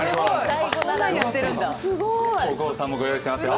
大久保さんもご用意していますよ。